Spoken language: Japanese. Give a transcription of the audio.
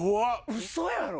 ウソやろ⁉